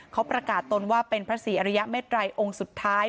เขาประกาศตนว่าเป็นพระศรีอริยเมตรัยองค์สุดท้าย